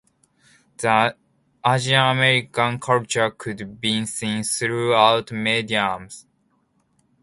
The Asian American culture could be seen throughout mediums.